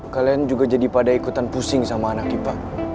kalian juga jadi pada ikutan pusing sama anak kita